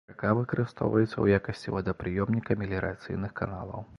Рака выкарыстоўваецца ў якасці водапрыёмніка меліярацыйных каналаў.